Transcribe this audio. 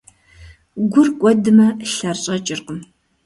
Гур кӀуэдмэ, лъэр щӀэкӀыркъым.